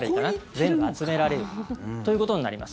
全部集められるということになります。